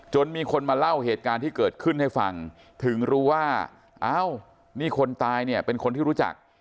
มีคนมาเล่าเหตุการณ์ที่เกิดขึ้นให้ฟังถึงรู้ว่าอ้าวนี่คนตายเนี่ยเป็นคนที่รู้จัก